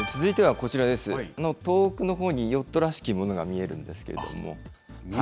この遠くのほうにヨットらしきものが見えるんですけども。